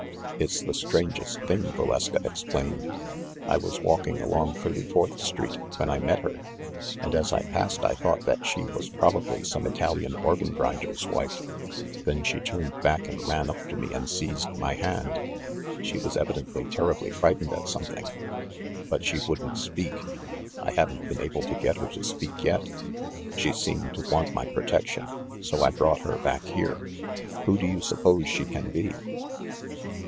"It's the strangest thing!" Valeska explained. "I was walking along Thirty fourth Street when I met her, and as I passed I thought that she was probably some Italian organ grinder's wife. Then she turned back and ran up to me and seized my hand. She was evidently terribly frightened at something; but she wouldn't speak. I haven't been able to get her to speak yet. She seemed to want my protection ; so I brought her back here. Who do you suppose she can be